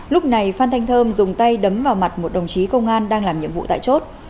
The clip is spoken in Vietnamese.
lúc này phan thanh thơm dùng tay đấm vào mặt một đồng chí công an đang làm nhiệm vụ tại chốt